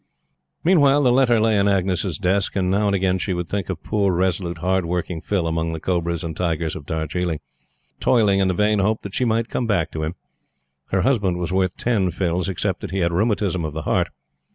Meantime the letter lay in Agnes's desk, and now and again she would think of poor resolute hard working Phil among the cobras and tigers of Darjiling, toiling in the vain hope that she might come back to him. Her husband was worth ten Phils, except that he had rheumatism of the heart.